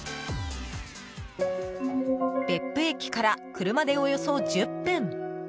別府駅から車でおよそ１０分。